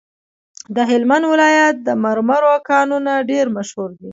د هلمند ولایت د مرمرو کانونه ډیر مشهور دي.